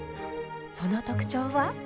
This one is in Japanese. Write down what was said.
その特徴は。